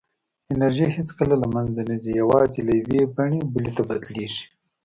انرژي هېڅکله له منځه نه ځي، یوازې له یوې بڼې بلې ته بدلېږي.